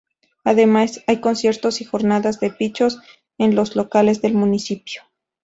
Además, hay conciertos y jornadas de pinchos en los locales del municipio.